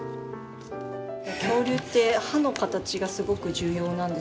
恐竜って歯の形がすごく重要なんですよ。